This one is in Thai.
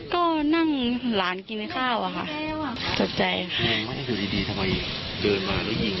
ก็นั่งหลานกินข้าวอ่ะค่ะสดใจค่ะ